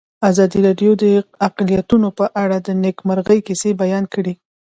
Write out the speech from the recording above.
ازادي راډیو د اقلیتونه په اړه د نېکمرغۍ کیسې بیان کړې.